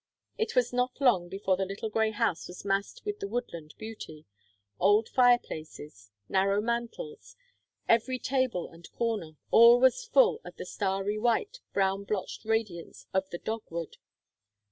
It was not long before the little grey house was massed with the woodland beauty old fireplaces, narrow mantels, every table and corner, all was full of the starry white, brown blotched radiance of the dogwood.